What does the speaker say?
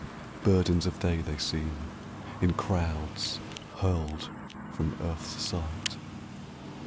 Burdens of day they seem in crowds Hurled from earth's sight.